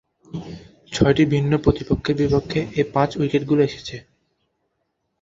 ছয়টি ভিন্ন প্রতিপক্ষের বিপক্ষে এ পাঁচ-উইকেটগুলো এসেছে।